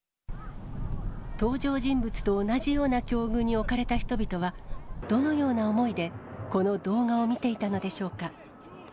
登場人物と同じような境遇に置かれた人々は、どのような思いで、この動画を見ていたのでしょうか。